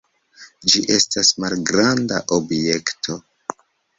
Ĝi estas malgranda objekto.